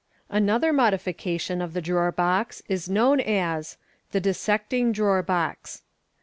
Another modification of the drawer box is known as The Dissecting Drawer Box.